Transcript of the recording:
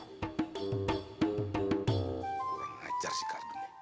kurang ajar si kardon